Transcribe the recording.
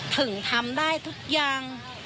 ถึงทำได้ทุกอย่าง